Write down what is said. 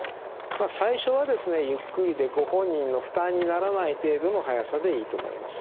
まあ最初はですねゆっくりでご本人の負担にならない程度の速さでいいと思います。